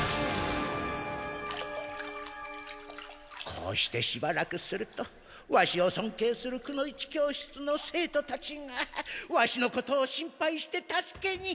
こうしてしばらくするとワシをそんけいするくの一教室の生徒たちがワシのことを心配して助けに。